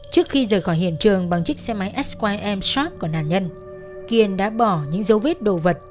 trước khi rời khỏi hiện trường bằng chiếc xe máy skym shop của nạn nhân kiên đã bỏ những dấu vết đồ vật